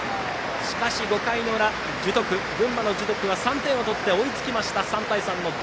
しかし、５回の裏群馬の樹徳が３点を取って追いつきました。